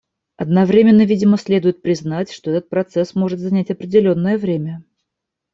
Одновременно, видимо, следует признать, что этот процесс может занять определенное время.